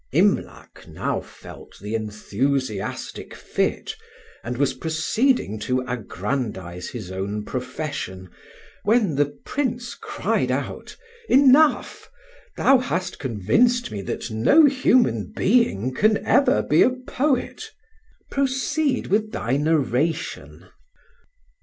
IMLAC now felt the enthusiastic fit, and was proceeding to aggrandise his own profession, when then Prince cried out: "Enough! thou hast convinced me that no human being can ever be a poet. Proceed with thy narration."